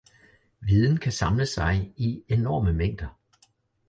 Viden kan samle sig i enorme mængder